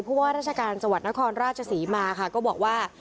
พูดว่าราชการสวทนครราชสีมาก็บอกว่า